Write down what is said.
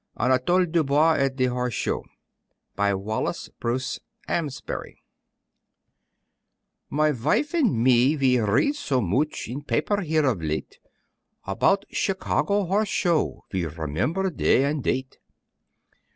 ANATOLE DUBOIS AT DE HORSE SHOW BY WALLACE BRUCE AMSBARY My vife an' me ve read so moch In papier here of late, About Chicago Horse Show, ve Remember day an' date.